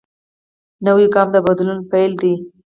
نوی ګام د بدلون پیل دی